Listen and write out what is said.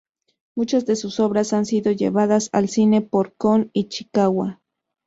Muchas de sus obras han sido llevadas al cine por Kon Ichikawa.